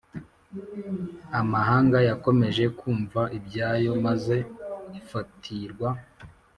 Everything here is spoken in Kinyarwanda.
Amahanga yakomeje kumva ibyayo maze ifatirwa